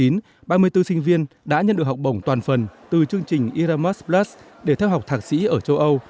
năm hai nghìn một mươi chín ba mươi bốn sinh viên đã nhận được học bổng toàn phần từ chương trình irma s plus để theo học thạc sĩ ở châu âu